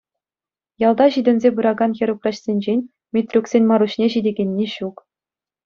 Ялта ҫитӗнсе пыракан хӗрупраҫсенчен Митрюксен Маруҫне ҫитекенни ҫук.